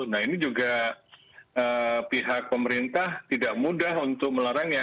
nah ini juga pihak pemerintah tidak mudah untuk melarangnya